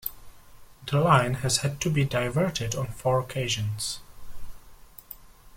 The line has had to be diverted on four occasions.